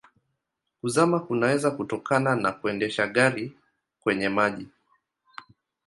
Kuzama kunaweza kutokana na kuendesha gari kwenye maji.